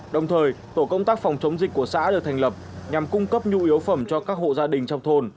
đồng thời tổ công tác phòng chống dịch của xã được thành lập nhằm cung cấp nhu yếu phẩm cho các hộ gia đình trong thôn